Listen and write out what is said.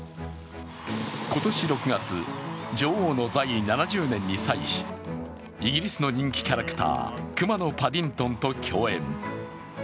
今年６月、女王の在位７０年に際し、イギリスの人気キャラクター熊のパディントンと共演。